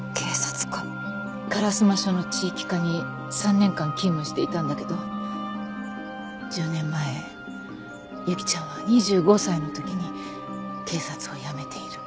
烏丸署の地域課に３年間勤務していたんだけど１０年前由紀ちゃんは２５歳の時に警察を辞めている。